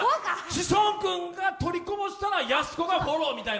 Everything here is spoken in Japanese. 志尊君が取りこぼしたら、やす子がフォローみたいな。